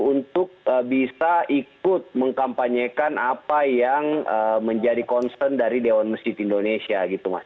untuk bisa ikut mengkampanyekan apa yang menjadi concern dari dewan masjid indonesia gitu mas